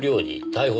逮捕